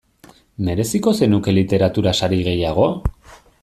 Mereziko zenuke literatura sari gehiago?